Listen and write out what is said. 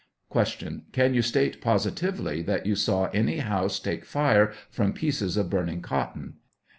Q, Can you state positively that you saw any house take fire from pieces of burning cotton